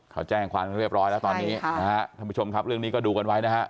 เขาแจ้งความเรียบร้อยแล้วตอนนี้นะฮะท่านผู้ชมครับเรื่องนี้ก็ดูกันไว้นะฮะ